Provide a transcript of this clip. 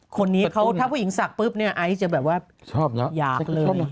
คนนี้ถ้าผู้หญิงศักดิ์ปุ๊บเนี่ยไอ้จะแบบว่าอยากเลย